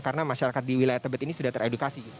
karena masyarakat di wilayah tebet ini sudah teredukasi